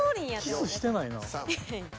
［キスしてないな］